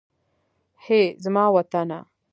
هئ! زما وطنه.